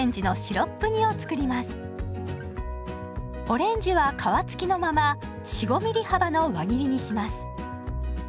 オレンジは皮付きのまま４５ミリ幅の輪切りにします。